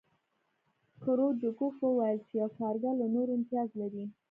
کرو چکوف وویل چې یو کارګر له نورو امتیاز لري